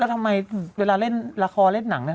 ทำไมเวลาเล่นละครเล่นหนังเนี่ย